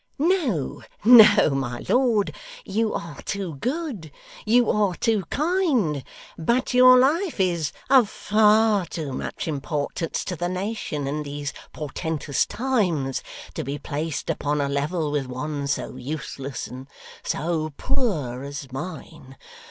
'No, no, my lord; you are too good, you are too kind; but your life is of far too much importance to the nation in these portentous times, to be placed upon a level with one so useless and so poor as mine.